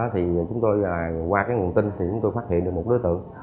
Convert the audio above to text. thì chúng tôi qua cái nguồn tin thì chúng tôi phát hiện được một đối tượng